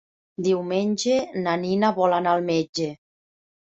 Diumenge na Nina vol anar al metge.